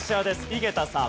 井桁さん。